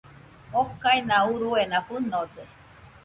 Okaina uruena fɨnode.